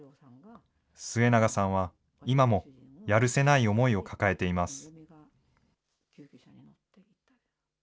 末永さんは、今もやるせない思いを抱えています。